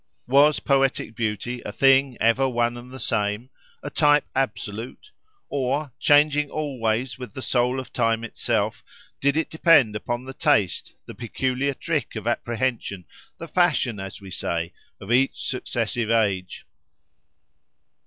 Was poetic beauty a thing ever one and the same, a type absolute; or, changing always with the soul of time itself, did it depend upon the taste, the peculiar trick of apprehension, the fashion, as we say, of each successive age?